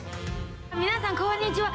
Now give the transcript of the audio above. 皆さんこんにちは。